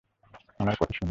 আমার কথা শুনো।